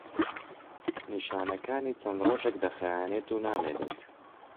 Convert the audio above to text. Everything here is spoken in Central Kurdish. نیشانەکانی چەند ڕۆژێک دەخایەنێت و نامێنێت.